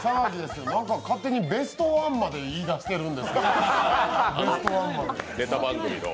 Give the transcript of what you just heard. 勝手に「ベストワン」まで言い出しているんです。